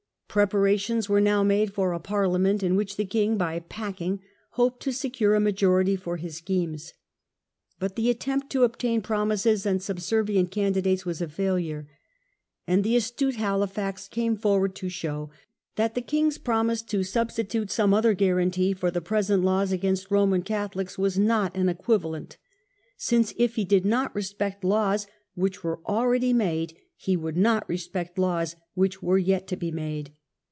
Preparations w^ere now made for a Parliament, in which the king, by "packing", hoped to secure a majority for his schemes. But the attempt to obtain promises and subservient candidates was a failure. And the astute Halifax came forward to show that the king's promise to substitute some other guarantee for "the present laws against Roman Catholics was not an " equivalent ", since, if he did not respect laws which were already made, he would not respect laws which were yet to be made.